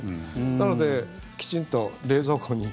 なので、きちんと冷蔵庫に。